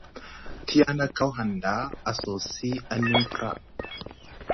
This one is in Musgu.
Tiyana kaw hanɗa a sosi aniŋ pra.